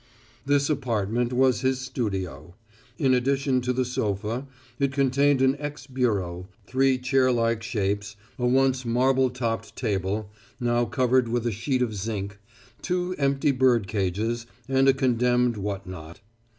This apartment was his studio. In addition to the sofa, it contained an ex bureau, three chair like shapes, a once marble topped table, now covered with a sheet of zinc, two empty bird cages, and a condemned whatnot.